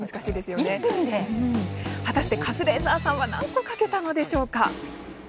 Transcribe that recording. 果たしてカズレーザーさんは何個書けたのでしょうか？